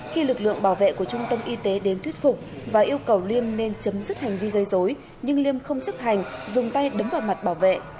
khi lực lượng bảo vệ của trung tâm y tế đến thuyết phục và yêu cầu liêm nên chấm dứt hành vi gây dối nhưng liêm không chấp hành dùng tay đấm vào mặt bảo vệ